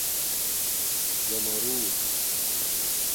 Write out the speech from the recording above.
زَماروت